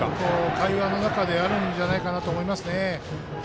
会話の中であるんじゃないかと思います。